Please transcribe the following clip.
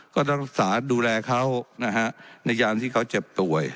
ก็ต้องรักษาดูแลเขานะฮะในยามที่เขาเจ็บป่วย